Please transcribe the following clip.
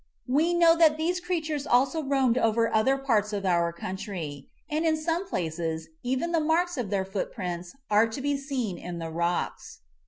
We know that these creatures also roamed over other parts of our country, and in some places even the marks of their footprints are to be seen in the rocks.